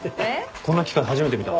こんな機械初めて見た。